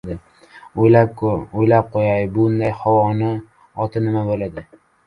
O‘ynab qo‘yay, bundayin havoni oti nima bo‘ldi?